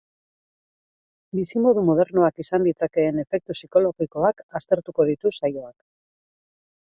Bizimodu modernoak izan ditzakeen efektu psikologikoak aztertuko ditu saioak.